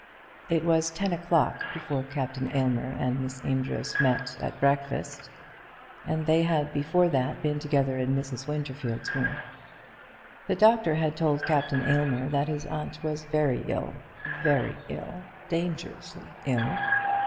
It was ten o'clock before Captain Aylmer and Miss Amedroz met at breakfast, and they had before that been together in Mrs. Winterfield's room. The doctor had told Captain Aylmer that his aunt was very ill very ill, dangerously ill.